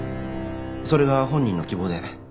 それが本人の希望で。